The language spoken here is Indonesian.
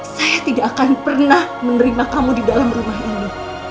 saya tidak akan pernah menerima kamu di dalam rumah ini